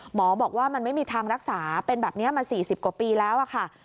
หมอบอกว่ามันไม่มีทางรักษาเป็นแบบนี้มา๔๐กว่าปีแล้วค่ะ